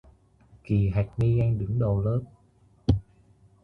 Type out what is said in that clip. Kỳ Hạch ni anh đứng đầu lớp